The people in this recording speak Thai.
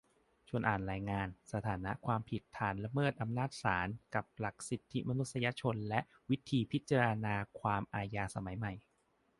ชวนอ่านรายงาน "สถานะ 'ความผิดฐานละเมิดอำนาจศาล' กับหลักสิทธิมนุษยชนและวิธีพิจารณาความอาญาสมัยใหม่"